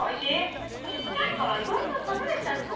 ちっちゃいから意外と食べられちゃいそう。